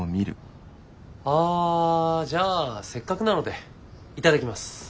あじゃあせっかくなので頂きます。